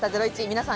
皆さん